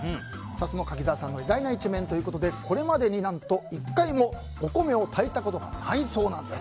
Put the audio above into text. その柿澤さんの意外な一面ということでこれまでに何と１回もお米を炊いたことがないそうです。